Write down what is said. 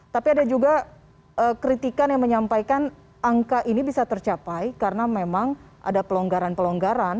tapi ada juga kritikan yang menyampaikan angka ini bisa tercapai karena memang ada pelonggaran pelonggaran